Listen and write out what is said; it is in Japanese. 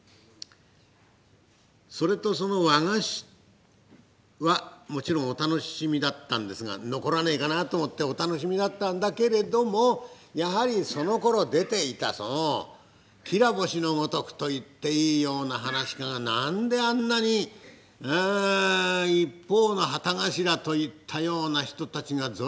それとその和菓子はもちろんお楽しみだったんですが「残らねえかなあ」と思ってお楽しみだったんだけれどもやはりそのころ出ていたその綺羅星のごとくと言っていいような噺家が何であんなに一方の旗頭といったような人たちがぞろぞろぞろぞろいたんでしょうね？